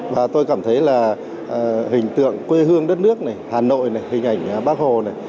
và tôi cảm thấy là hình tượng quê hương đất nước này hà nội này hình ảnh bác hồ này